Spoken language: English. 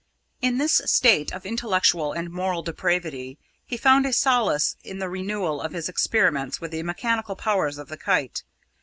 In this state of intellectual and moral depravity, he found a solace in the renewal of his experiments with the mechanical powers of the kite.